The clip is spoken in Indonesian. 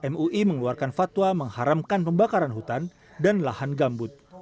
mui mengeluarkan fatwa mengharamkan pembakaran hutan dan lahan gambut